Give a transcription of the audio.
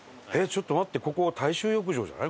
ちょっと待ってここ大衆浴場じゃない？